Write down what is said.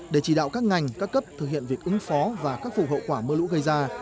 để chỉ đạo các ngành các cấp thực hiện việc ứng phó và khắc phục hậu quả mưa lũ gây ra